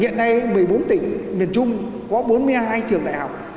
hiện nay một mươi bốn tỉnh miền trung có bốn mươi hai trường đại học